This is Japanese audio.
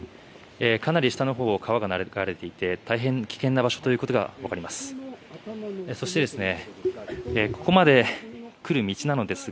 かなり下のほう川が流れていて大変危険な場所ということがわかります。